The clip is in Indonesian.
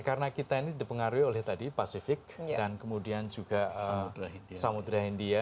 karena kita ini dipengaruhi oleh tadi pasifik dan kemudian juga samudera india